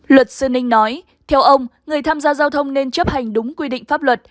luật sư ninh nói theo ông người tham gia giao thông nên chấp hành đúng quy định pháp luật